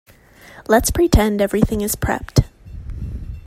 Let's pretend everything is prepped.